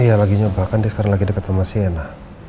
iya lagi nyoba kan dia sekarang lagi deket sama si ena